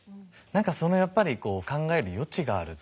何かそのやっぱりこう考える余地がある。